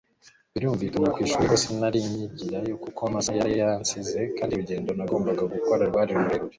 birumvikana kwishuri ho sinarinkigiyeyo kuko amasaha yari yansize kandi nurugendo nagombaga gukora rwari rurerure